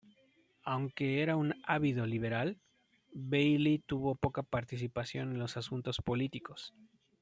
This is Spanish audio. Aunque era un ávido liberal, Bailey tuvo poca participación en los asuntos políticos.